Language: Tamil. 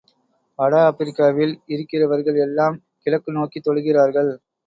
வட ஆப்பிரிக்காவில் இருக்கிறவர்கள் எல்லாம் கிழக்கு நோக்கித் தொழுகிறார்கள்.